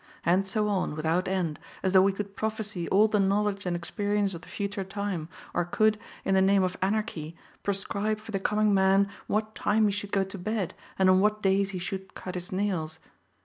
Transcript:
And so on, without end, as though we could prophesy all the knowledge and experience of the future time, or could, in the name of Anarchy, prescribe for the coming man what time he should go to bed, and on what days he should cut his nails!